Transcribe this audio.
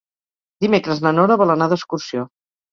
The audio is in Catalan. Dimecres na Nora vol anar d'excursió.